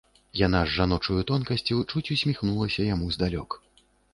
Яна з жаночаю тонкасцю чуць усміхнулася яму здалёк.